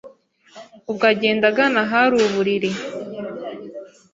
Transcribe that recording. Ubwo agenda agana ahari uburiri